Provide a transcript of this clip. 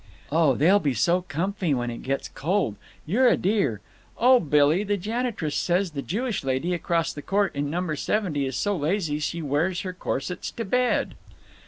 "Oh, they'll be so comfy when it gets cold. You're a dear! Oh, Billy, the janitress says the Jewish lady across the court in number seventy is so lazy she wears her corsets to bed!"